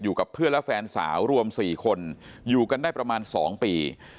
กับเพื่อนและแฟนสาวรวม๔คนอยู่กันได้ประมาณ๒ปี